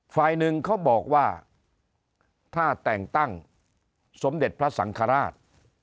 ฝ่ายหนึ่งเขาบอกว่าถ้าแต่งตั้งสมเด็จพระสังฆราช